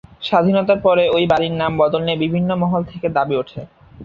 স্বাধীনতার পরে ওই বাড়ির নাম বদল নিয়ে বিভিন্ন মহল থেকে দাবি ওঠে।